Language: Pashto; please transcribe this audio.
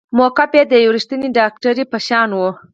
موقف يې د يوې رښتينې ډاکټرې په شان وه.